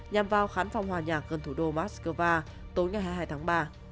nhằm vào khán phòng hòa nhạc gần thủ đô moscow tối ngày hai mươi hai tháng ba